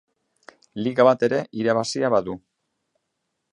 Liga bat ere irabazia badu.